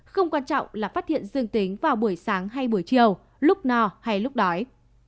không quan trọng là phát hiện dương tính vào buổi sáng hay buổi chiều lúc no hay lúc đói